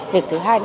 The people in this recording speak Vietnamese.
việc thứ hai